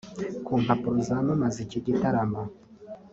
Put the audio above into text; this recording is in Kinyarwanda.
Ku mpapuro zamamaza iki gitaramo